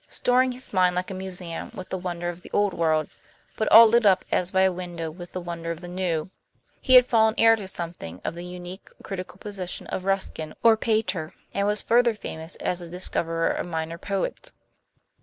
Storing his mind like a museum with the wonder of the Old World, but all lit up as by a window with the wonder of the New, he had fallen heir to some thing of the unique critical position of Ruskin or Pater, and was further famous as a discoverer of minor poets.